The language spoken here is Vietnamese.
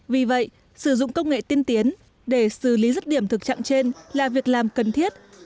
vì vậy sử dụng công nghệ tiên tiến để xử lý rứt điểm thực trạng trên là việc làm cần thiết